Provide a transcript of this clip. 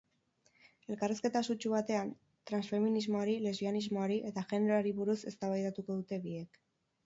Elkarrizketa sutsu batean, transfeminismoari, lesbianismoari eta generoari buruz eztabaidatuko dute biek.